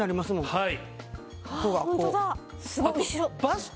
はい。